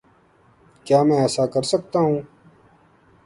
کیا میں ایسا کر سکتا ہوں؟